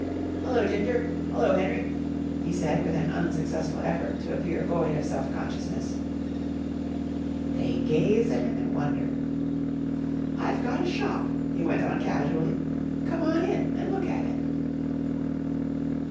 "'Ullo, Ginger! 'Ullo, Henry!" he said with an unsuccessful effort to appear void of self consciousness. They gazed at him in wonder. "I've gotta shop," he went on casually. "Come on in an' look at it."